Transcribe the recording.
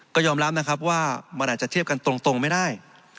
ก็ยอมรับนะครับว่ามันอาจจะเทียบกันตรงไม่ได้